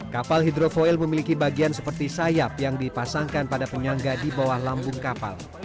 kapal hidrofoil memiliki bagian seperti sayap yang dipasangkan pada penyangga di bawah lambung kapal